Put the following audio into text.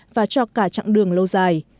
và cho cả chặng đường lâu dài